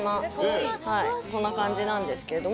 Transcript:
こんな感じなんですけれども。